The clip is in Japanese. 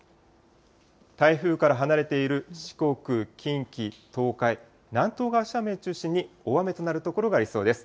台風から離れている四国、近畿、東海、南東側の斜面を中心に大雨となる所がありそうです。